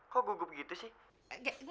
kok gugup gitu sih